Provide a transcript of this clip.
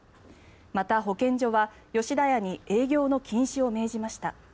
また、保健所は吉田屋に営業の禁止を命じました。